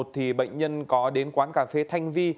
thì bệnh nhân có đến quán cà phê thanh vi